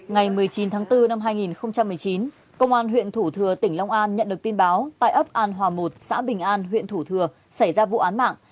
ngày một mươi chín tháng bốn năm hai nghìn một mươi chín công an tp thủ thừa tp đông an nhận được tin báo tại ấp an hòa một xã bình an tp thừa xảy ra vụ án mạng